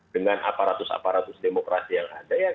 dengan aparatus aparatus demokrasi yang ada